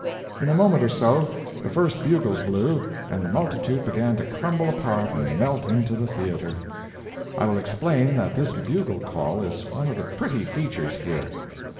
In a moment or so the first bugles blew, and the multitude began to crumble apart and melt into the theater. I will explain that this bugle call is one of the pretty features here.